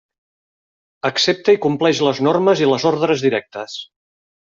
Accepta i compleix les normes i les ordres directes.